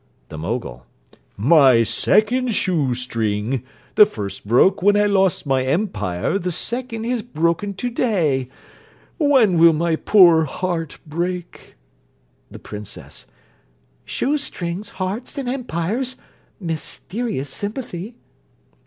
THE MOGUL. 'My second shoe string! The first broke when I lost my empire: the second has broken to day. When will my poor heart break?' THE PRINCESS. 'Shoe strings, hearts, and empires! Mysterious sympathy!'